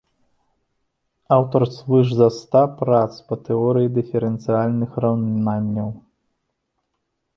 Аўтар звыш за ста прац па тэорыі дыферэнцыяльных раўнанняў.